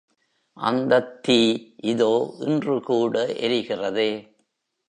அந்தத் தீ இதோ இன்றுகூட எரிகிறதே!